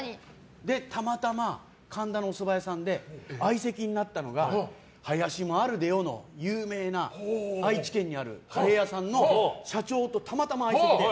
たまたま、神田のおそば屋さんで相席になったのがはやしもあるでよの有名な愛知県にあるカレー屋さんの社長とたまたま相席で。